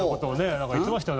なんか言ってましたよ。